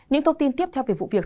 những thông tin tiếp theo về vụ việc